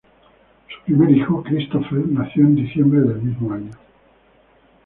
Su primer hijo, Christopher, nació en diciembre del mismo año.